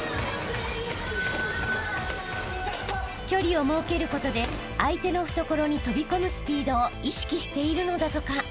［距離を設けることで相手の懐に飛び込むスピードを意識しているのだとか］